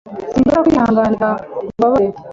Sinshobora kwihanganira ubu bubabare.